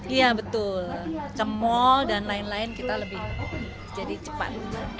iya betul kemol dan lain lain kita lebih cepat